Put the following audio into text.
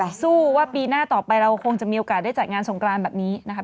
แต่สู้ว่าปีหน้าต่อไปเราคงจะมีโอกาสได้จัดงานสงกรานแบบนี้นะครับ